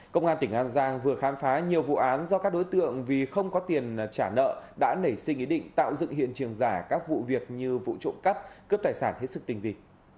công an tỉnh an giang vừa khám phá nhiều vụ án do các đối tượng vì không có tiền trả nợ đã nảy sinh ý định tạo dựng hiện trường giả các vụ việc như vụ trộm cắp cướp tài sản hết sức tình vị